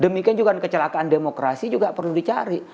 demikian juga kecelakaan demokrasi juga perlu dicari